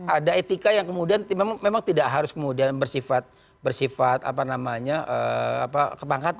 ada etika yang kemudian memang tidak harus kemudian bersifat apa namanya kebangkatan